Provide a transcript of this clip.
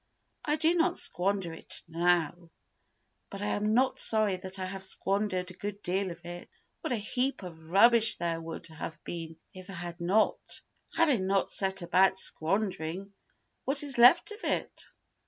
I do not squander it now, but I am not sorry that I have squandered a good deal of it. What a heap of rubbish there would have been if I had not! Had I not better set about squandering what is left of it?